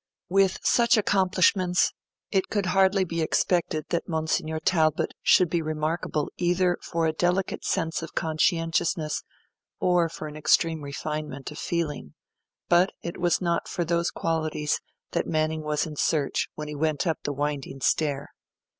With such accomplishments, it could hardly be expected that Monsignor Talbot should be remarkable either for a delicate sense of conscientiousness or for an extreme refinement of feeling, but then it was not for those qualities that Manning was in search when he went up the winding stair.